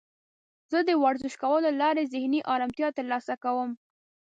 زه د ورزش کولو له لارې ذهني آرامتیا ترلاسه کوم.